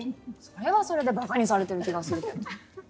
それはそれでバカにされてる気がするけど。